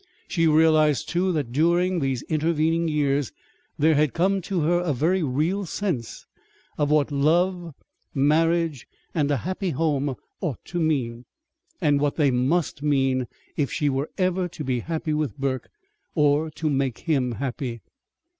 She realized, too, that during these intervening years there had come to her a very real sense of what love, marriage, and a happy home ought to mean and what they must mean if she were ever to be happy with Burke, or to make him happy.